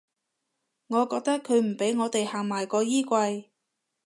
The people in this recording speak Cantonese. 我覺得佢唔畀我地行埋個衣櫃